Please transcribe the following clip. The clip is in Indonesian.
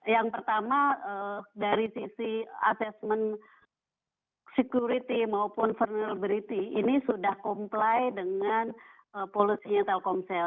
yang pertama dari sisi assessment security maupun vulnerability ini sudah comply dengan polusinya telkomsel